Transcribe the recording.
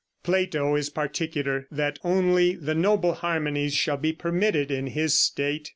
'" Plato is particular that only the noble harmonies shall be permitted in his state.